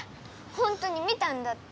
ほんとに見たんだって！